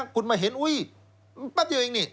คุณมาเห็นอุ๊ยแป๊บเดียวเองนี่